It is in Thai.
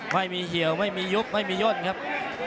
ไม่มีเหี่ยวไม่มียุบไม่มีย่นครับ